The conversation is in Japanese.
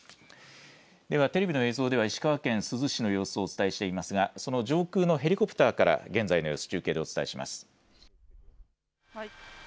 ではテレビの映像では石川県珠洲市の様子をお伝えしていますがその上空のヘリコプターから現在の様子、中継でお伝えします。